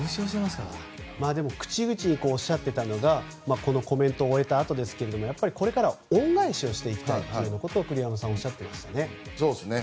口々におっしゃっていたのがこのコメントを終えたあとですがこれからは恩返しをしたいと栗山さんはおっしゃっていましたね。